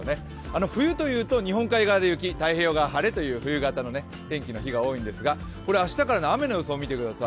冬というと日本海側で雪太平洋側で晴れという冬型の天気のことが多いんですがこれ明日からの雨の予想を見てください。